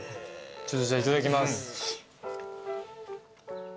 ちょっとじゃあいただきます。